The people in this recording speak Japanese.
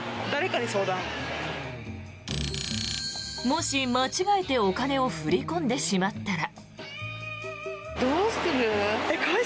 もし間違えてお金を振り込んでしまったら。